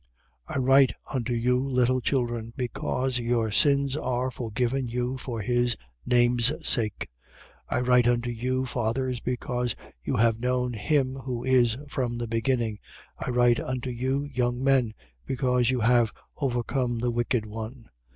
2:12. I write unto you, little children, because your sins are forgiven you for his name's sake. 2:13. I write unto you, fathers, because you have known him who is from the beginning. I write unto you, young men, because you have overcome the wicked one.